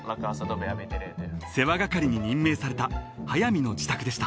［世話係に任命された速水の自宅でした］